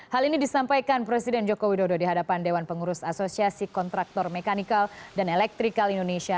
hal ini disampaikan presiden joko widodo di hadapan dewan pengurus asosiasi kontraktor mekanikal dan elektrikal indonesia